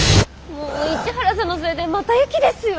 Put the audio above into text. もう市原さんのせいでまた雪ですよ。